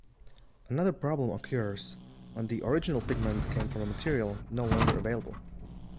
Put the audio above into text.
Another problem occurs when the original pigment came from a material no longer available.